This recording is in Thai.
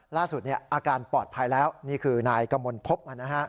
ล่าสุดอาการปลอดภัยแล้วนี่คือนายกมลพบนะฮะ